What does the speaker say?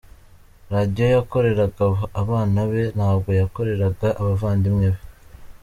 Radio yakoreraga abana be, ntabwo yakoreraga abavandimwe be.